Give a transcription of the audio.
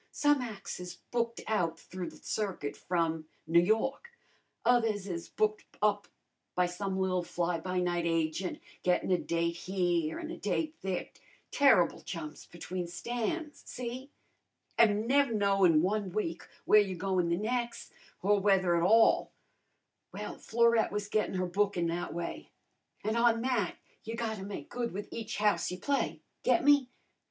Some ac's is booked out through the circuit from N' Yawk; others is booked up by some li'l fly by night agent, gettin' a date here an' a date there, terrible jumps between stands, see? and nev' knowin' one week where you're goin' the nex', or whether at all. Well, Florette was gettin' her bookin' that way. An' on that you gotta make good with each house you play, get me?